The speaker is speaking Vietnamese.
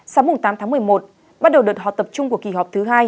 sáng tám tháng một mươi một bắt đầu đợt họp tập trung của kỳ họp thứ hai